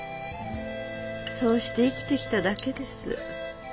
そうして生きてきただけです。